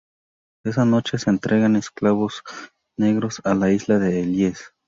Esa noche se entregan esclavos negros a la isla de Ellis.